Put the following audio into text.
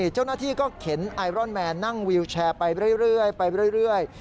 เจ้าหน้าที่ก็เข็นไอรอนแมนนั่งวิวแชร์ไปเรื่อยไปเรื่อย